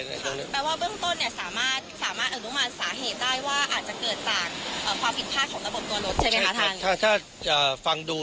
แปลว่าเรื่องต้นเนี่ยสามารถสาเหตุได้ว่าอาจจะเกิดจากความผิดพลาดของระบบตัวรถใช่ไหมครับทางนี้